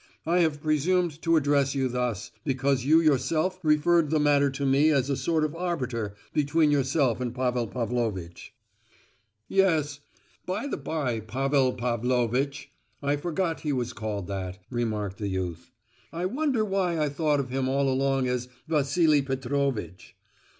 I have presumed to address you thus, because you yourself referred the matter to me as a sort of arbiter between yourself and Pavel Pavlovitch." "Yes, by the bye, 'Pavel Pavlovitch,' I forgot he was called that," remarked the youth. "I wonder why I thought of him all along as 'Vassili Petrovitch.